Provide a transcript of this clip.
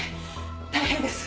大変です。